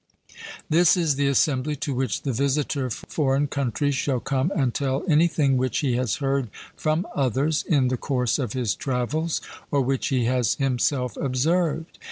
This is the assembly to which the visitor of foreign countries shall come and tell anything which he has heard from others in the course of his travels, or which he has himself observed.